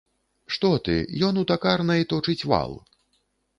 Што ты, ён у такарнай точыць вал.